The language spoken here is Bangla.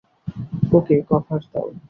ওকে কভার দাও!